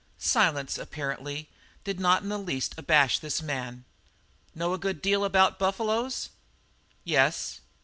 Silence, apparently, did not in the least abash this man. "Know a good deal about buffaloes?" "Yes."